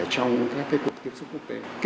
trong các cái cuộc tiếp xúc quốc tế